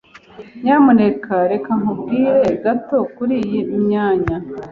Nyamuneka reka nkubwire gato kuriyi myanya.